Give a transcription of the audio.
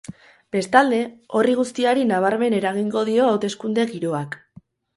Bestalde, horri guztiari nabarmen eragingo dio hauteskunde giroak.